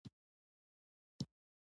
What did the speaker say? الجی څه رنګ لري؟